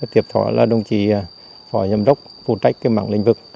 tiếp theo đó là đồng chí phó giám đốc phụ trách cái mạng lĩnh vực